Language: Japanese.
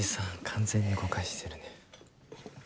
完全に誤解してるね。